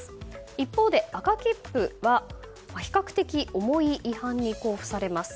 一方で赤切符は比較的重い違反に交付されます。